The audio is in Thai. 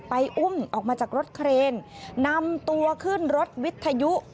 อุ้มออกมาจากรถเครนนำตัวขึ้นรถวิทยุ